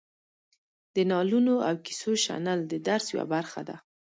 د نالونو او کیسو شنل د درس یوه برخه ده.